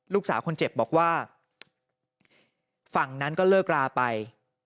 ลูกสาวคนเจ็บบอกว่าฝั่งนั้นก็เลิกราไป